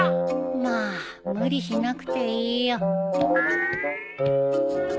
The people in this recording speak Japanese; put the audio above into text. まあ無理しなくていいよ。